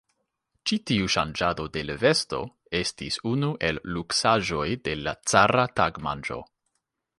Ĉi tiu ŝanĝado de l' vesto estis unu el luksaĵoj de l' cara tagmanĝo.